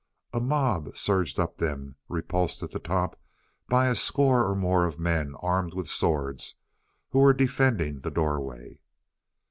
A mob surged up them, repulsed at the top by a score or more of men armed with swords, who were defending the doorway.